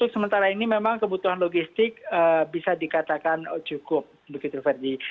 sementara ini memang kebutuhan logistik bisa dikatakan cukup begitu verdi